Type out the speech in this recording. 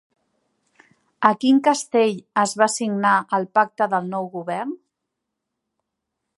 A quin castell es va signar el pacte del nou govern?